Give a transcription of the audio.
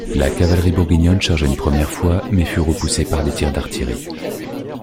La cavalerie bourguignonne chargea une première fois, mais fut repoussée par des tirs d'artillerie.